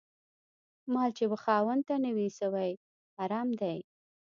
مال چي و خاوند ته نه وي سوی، حرام دی